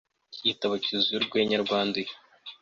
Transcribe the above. iki gitabo cyuzuye urwenya rwanduye